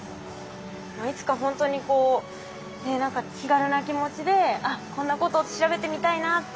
いつかほんとにこう何か気軽な気持ちであっこんなことを調べてみたいなっていう。